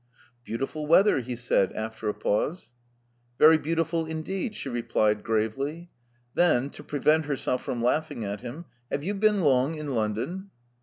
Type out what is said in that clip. ''Beautiful weather," he said, after a pause. *'Very beautiful indeed," she replied, gravely. Then, to prevent herself from laughing at him, Have you been long in London?"